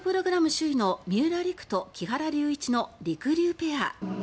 首位の三浦璃来と木原龍一のりくりゅうペア。